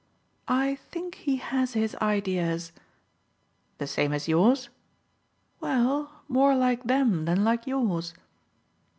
"I think he has his ideas." "The same as yours?" "Well, more like them than like yours."